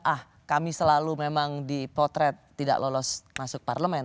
ah kami selalu memang dipotret tidak lolos masuk parlemen